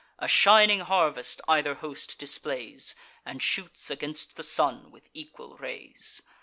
A shining harvest either host displays, And shoots against the sun with equal rays.